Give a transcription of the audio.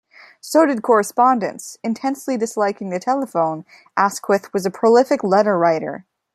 So did correspondence; intensely disliking the telephone, Asquith was a prolific letter writer.